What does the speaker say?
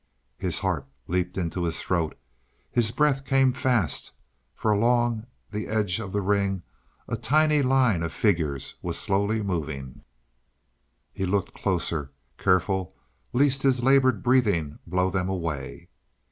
His heart leaped into his throat; his breath came fast; for along the edge of the ring a tiny little line of figures was slowly moving. He looked closer, careful lest his laboured breathing blow them away.